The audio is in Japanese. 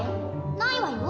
ないわよ。